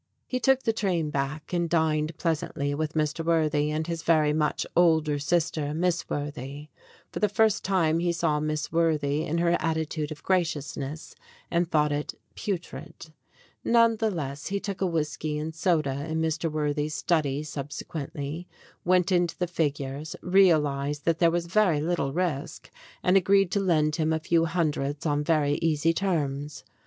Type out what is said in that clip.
He took the train back, and dined pleasantly with Mr. Worthy and his very much older sister, Miss Worthy. For the first time he saw Miss Worthy in her attitude of graciousness, and thought it putrid. None the less, he took a whisky and soda in Mr. Worthy's study subsequently, went into the figures, realized that there was very little risk, and agreed to lend him a few hundreds on very easy terms.